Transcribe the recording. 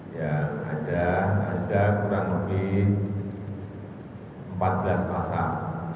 yang ada kurang lebih empat belas masyarakat